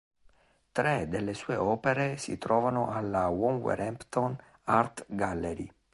Tre delle sue opere si trovano alla "Wolverhampton Art Gallery".